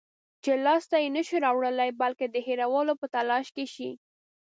چې لاس ته یې نشی راوړلای، بلکې د هېرولو په تلاش کې شئ